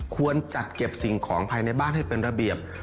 ควรจัดเก็บสิ่งของภายในบ้านให้เป็นระเบียบ